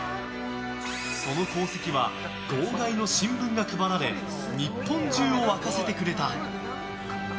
その功績は号外の新聞が配られ日本中を沸かせてくれた。